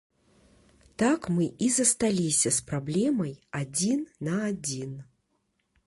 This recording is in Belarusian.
Так мы і засталіся з праблемай адзін на адзін.